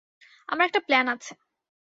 আমার একটা প্ল্যান আছে।